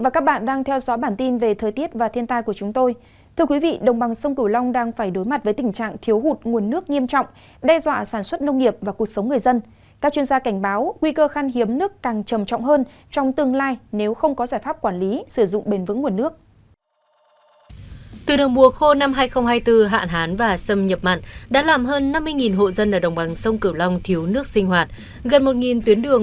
các bạn hãy đăng ký kênh để ủng hộ kênh của chúng tôi nhé